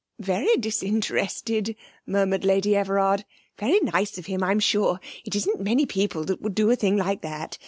'Very disinterested,' murmured Lady Everard. 'Very nice of him, I'm sure. It isn't many people that would do a thing like that.